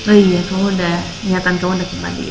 oh iya kamu udah ingatan kamu udah kembali ya